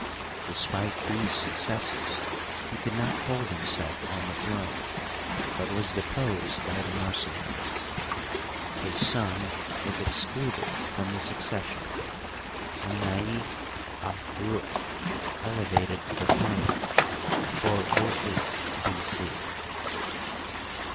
Despite these successes, he could not hold himself on the throne, but was deposed by the mercenaries. His son was excluded from the succes sion, and Naif 'da rut elevated to the throne (408 B. C).